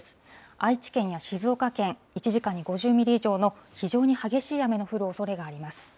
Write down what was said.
愛知県や静岡県、１時間に５０ミリ以上の非常に激しい雨の降るおそれがあります。